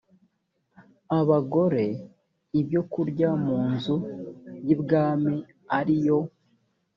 abagore ibyokurya mu nzu y ibwami ari yo